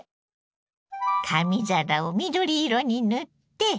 紙皿を緑色に塗って。